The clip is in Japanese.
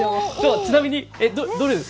ちなみにどれですか。